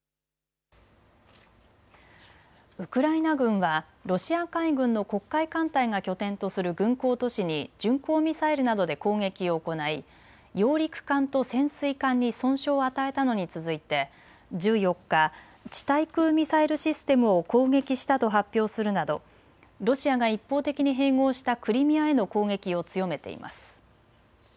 ウクライナ軍はロシア海軍の黒海艦隊が拠点とする軍港都市に巡航ミサイルなどで攻撃を行い揚陸艦と潜水艦に損傷を与えたのに続いて１４日、地対空ミサイルシステムを攻撃したと発表するなどロシアが一方的に併合したクリミアへの攻撃を強めています。